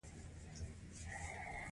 شریک کولی شي یوه برخه په زر افغانۍ واخلي